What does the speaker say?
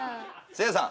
せいやさん。